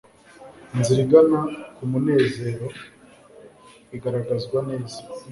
Inzira igana ku munezero igaragazwa neza